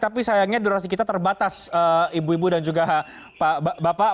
tapi sayangnya durasi kita terbatas ibu ibu dan juga bapak